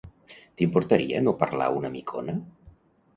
T'importaria no parlar una micona?